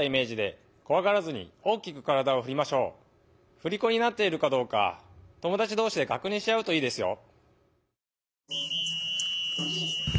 ふりこになっているかどうか友だちどうしでかくにんしあうといいですよ。